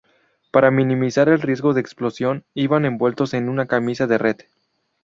Para minimizar el riesgo de explosión, iban envueltos en una camisa de red.